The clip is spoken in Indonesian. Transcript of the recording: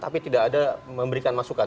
tapi tidak ada memberikan masukan